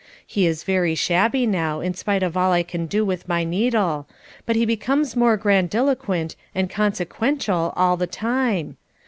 He is very shabby now in spite of all I can do with my needle, but he becomes more grandiloquent and consequential all the time.